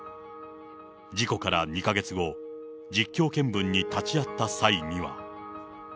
事故から２か月後、実況見分に立ち会った際には。